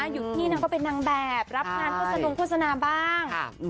หยุดที่นางก็เป็นนางแบบรับงานโฆษณงโฆษณาบ้าง